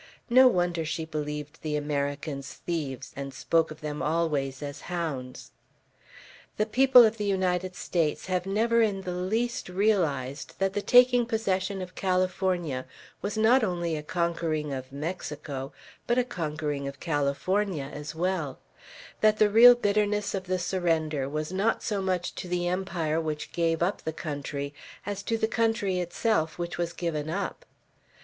No wonder she believed the Americans thieves, and spoke of them always as hounds. The people of the United States have never in the least realized that the taking possession of California was not only a conquering of Mexico, but a conquering of California as well; that the real bitterness of the surrender was not so much to the empire which gave up the country, as to the country itself which was given up.